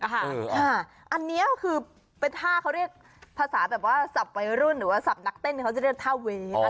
ค่ะอันนี้คือเป็นท่าเขาเรียกภาษาแบบว่าสับวัยรุ่นหรือว่าสับนักเต้นเขาจะยึดท่าเว็บ